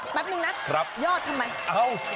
แป๊บนึงนะยอดทำไม